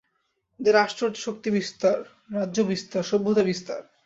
এদের আশ্চর্য শক্তিবিস্তার, রাজ্যবিস্তার, সভ্যতাবিস্তার।